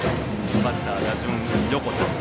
バッターは横田。